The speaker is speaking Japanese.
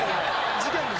事件です。